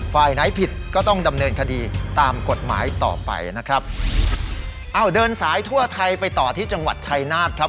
ฝ่ายไหนผิดก็ต้องดำเนินคดีตามกฎหมายต่อไปนะครับเอ้าเดินสายทั่วไทยไปต่อที่จังหวัดชัยนาธครับ